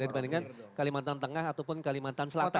dari bandingkan kalimantan tengah ataupun kalimantan selatan ya